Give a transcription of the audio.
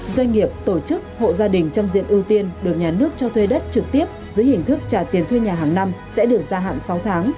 doanh nghiệp tổ chức hộ gia đình trong diện ưu tiên được nhà nước cho thuê đất trực tiếp dưới hình thức trả tiền thuê nhà hàng năm sẽ được gia hạn sáu tháng